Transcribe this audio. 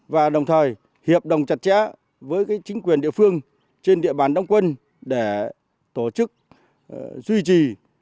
và đồng thời hiệp đồng chặt chẽ với chính quyền địa phương trên địa bàn đông quân để tổ chức duy trì